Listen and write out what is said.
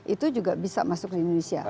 itu juga bisa masuk ke indonesia